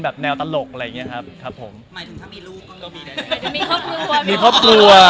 ช่วยกันโอเคไหม